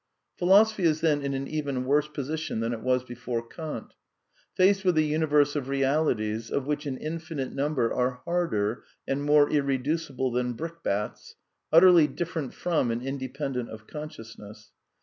Philosophy is then in an even worse position than it was before Kant; faced with a universe of realities of which an infinite number are harder and more irreducible than brickbats, utterly different from and independent of consciousness